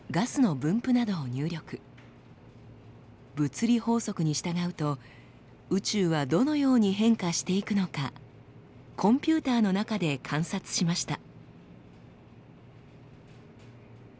物理法則に従うと宇宙はどのように変化していくのかコンピューターの中で観察しました。